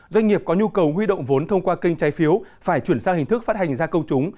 doanh nghiệp có nhu cầu huy động vốn thông qua kênh trái phiếu phải chuyển sang hình thức phát hành ra công chúng